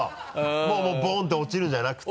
もうボンって落ちるんじゃなくて。